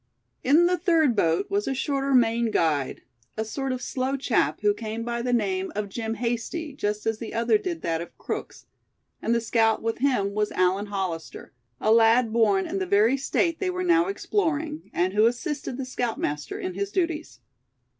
In the third boat was a shorter Maine guide, a sort of slow chap who came by the name of Jim Hasty just as the other did that of Crooks; and the scout with him was Allan Hollister, a lad born in the very State they were now exploring; and who assisted the scoutmaster in his duties.